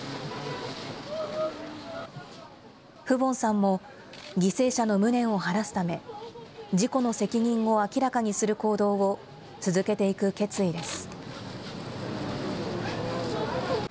フボンさんも、犠牲者の無念をはらすため、事故の責任を明らかにする行動を続けていく決意です。